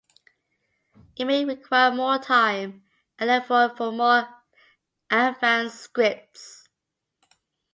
It may require more time and effort for more advanced scripts.